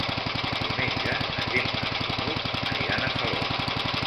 Diumenge na Gemma i n'Hug aniran a Salou.